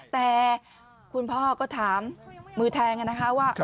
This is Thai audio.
แต่คุณพ่อก็ถามมือแทงนะคะว่า